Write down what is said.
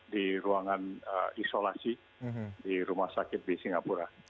di ruangan isolasi di rumah sakit di singapura